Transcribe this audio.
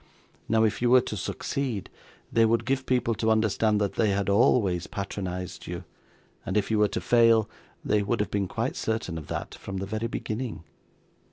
Now, if you were to succeed, they would give people to understand that they had always patronised you; and if you were to fail, they would have been quite certain of that from the very beginning.